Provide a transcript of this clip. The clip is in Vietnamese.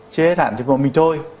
chế hết hẳn thì một mình thôi